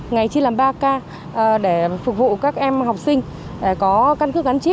ngày chiến làm ba k để phục vụ các em học sinh có căn cức gắn chip